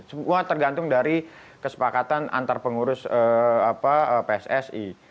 semua tergantung dari kesepakatan antar pengurus pssi